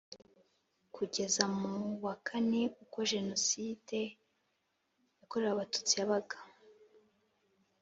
kugeza mu wa kane ubwo Jenoside yakorewe Abatutsi yabaga